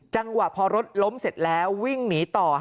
จังหวะพอรถล้มเสร็จแล้ววิ่งหนีต่อ